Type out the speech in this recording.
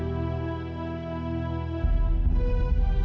ternyata itu juga